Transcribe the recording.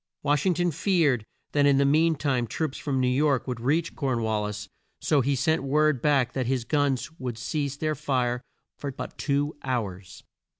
Wash ing ton feared that in the mean time troops from New York would reach Corn wal lis, so he sent word back that his guns should cease their fire for but two hours.